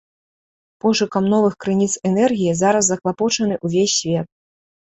Пошукам новых крыніц энергіі зараз заклапочаны ўвесь свет.